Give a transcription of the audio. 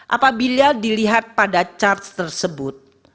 apabila dilihat pada charge tersebut